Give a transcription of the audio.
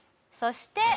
そして。